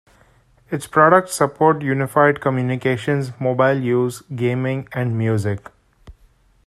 Its products support unified communications, mobile use, gaming and music.